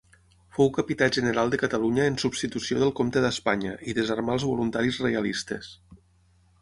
Fou Capità General de Catalunya en substitució del Comte d'Espanya i desarmà els voluntaris reialistes.